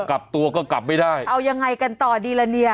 กลับตัวก็กลับไม่ได้เอายังไงกันต่อดีละเนี่ย